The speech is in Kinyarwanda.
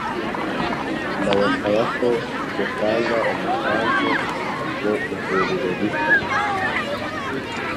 ndabasaba ko mutanga umusanzu mu ivuriro rishya.